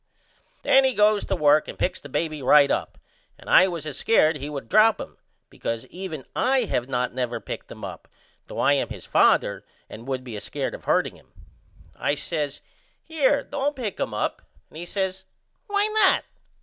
Then he goes to work and picks the baby right up and I was a scared he would drop him because even I have not never picked him up though I am his father and would be a scared of hurting him. I says Here, don't pick him up and he says Why not?